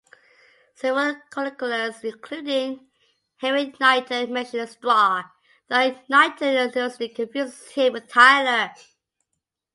Several chroniclers, including Henry Knighton, mention Straw, though Knighton erroneously confuses him with Tyler.